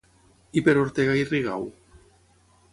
I per Ortega i Rigau?